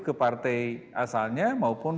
ke partai asalnya maupun